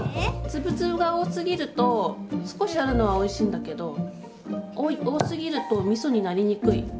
粒々が多すぎると少しあるのはおいしいんだけど多すぎるとみそになりにくい。